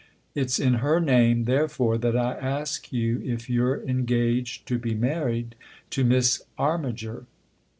It's in her name, therefore, that I ask you if you're engaged to be married to Miss Armiger."